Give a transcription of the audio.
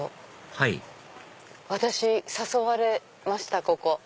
はい私誘われましたここ。